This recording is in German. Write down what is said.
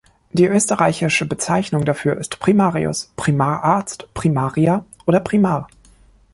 Die österreichische Bezeichnung dafür ist "Primarius", "Primararzt", "Primaria" oder "Primar".